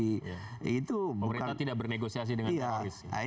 pemerintah tidak bernegosiasi dengan teroris